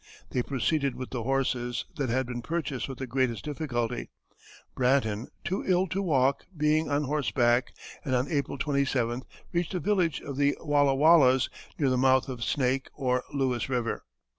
They proceeded with the horses, that had been purchased with the greatest difficulty, Bratton, too ill to walk, being on horseback, and on April 27th reached a village of the Wallawallas, near the mouth of Snake or Lewis River.